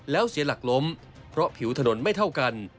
แล้วเสียหลักล้มเพราะผิวถนนไม่เท่ากัน